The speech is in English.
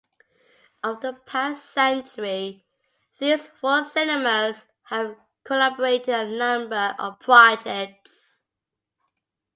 Over the past century, these four cinemas have collaborated on a number of projects.